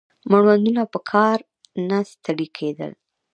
مړوندونه په کار نه ستړي کېدل